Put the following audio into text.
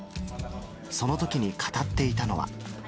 そのときに語っていたのは。